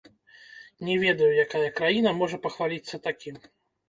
Не ведаю, якая краіна можа пахваліцца такім.